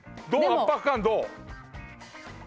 圧迫感どう？